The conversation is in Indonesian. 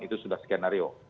itu sudah skenario